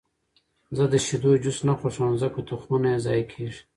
زه د شیدو جوس نه خوښوم، ځکه تخمونه یې ضایع کېږي.